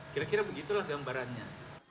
kira kira begitulah gambarannya